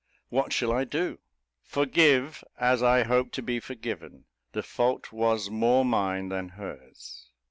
What shall I do? Forgive, as I hope to be forgiven: the fault was more mine than hers."